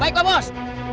baik pak bos